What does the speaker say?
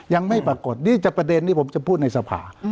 ยังไม่ปรากฏนี่จะประเด็นที่ผมจะพูดในสภา